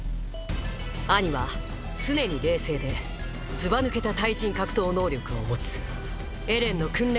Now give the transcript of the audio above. アニは常に冷静でずばぬけた対人格闘能力を持つエレンの訓練